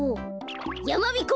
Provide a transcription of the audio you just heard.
やまびこ